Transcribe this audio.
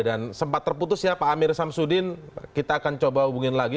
dan sempat terputus ya pak amir samsudin kita akan coba hubungin lagi